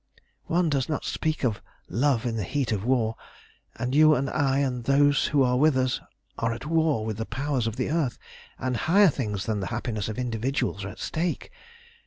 "One does not speak of love in the heat of war, and you and I and those who are with us are at war with the powers of the earth, and higher things than the happiness of individuals are at stake.